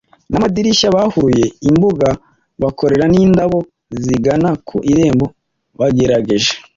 n’amadirishya. baharuye imbuga, bakorera n’indabo zigana ku irembo. bagerageje